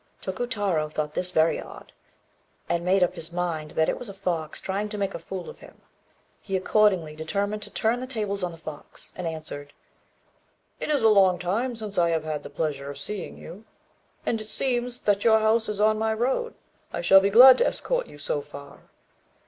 Tokutarô thought this very odd, and made up his mind that it was a fox trying to make a fool of him; he accordingly determined to turn the tables on the fox, and answered "It is a long time since I have had the pleasure of seeing you; and as it seems that your house is on my road, I shall be glad to escort you so far."